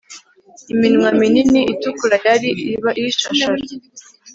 Iminwa minini itukura yari ibishashara